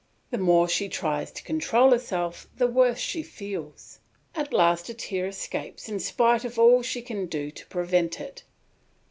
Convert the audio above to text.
The more she tries to control herself the worse she feels; at last a tear escapes in spite of all she can do to prevent it.